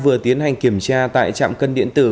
vừa tiến hành kiểm tra tại trạm cân điện tử